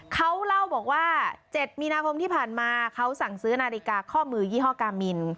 เขาเล่าบอกว่า๗มีนาคมที่ผ่านมาเขาสั่งซื้อนาฬิกาข้อมือยี่ห้อกามิน